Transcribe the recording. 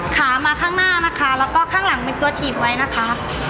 ขามาข้างหน้านะคะ